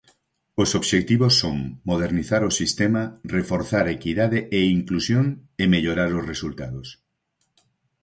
Os obxectivos son modernizar o sistema, reforzar equidade e inclusión e mellorar os resultados.